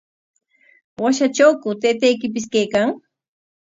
¿Washatrawku taytaykipis kaykan?